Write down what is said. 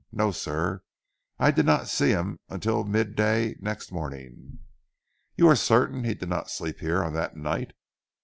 No sir, I did not see him until mid day next morning." "You are certain he did not sleep here on that night."